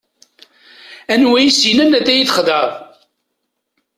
Anwa is-yennan ad iyi-txedɛeḍ?